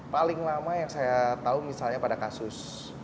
paling lama yang saya tahu misalnya pada kasus